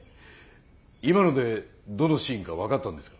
今のでどのシーンか分かったんですか？